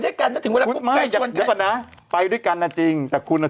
ฉันเคยเคยไปกับเธอไงหนุ่ม